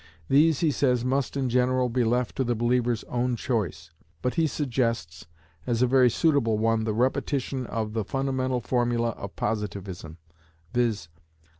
These, he says, must in general be left to the believer's own choice; but he suggests as a very suitable one the repetition of "the fundamental formula of Positivism," viz.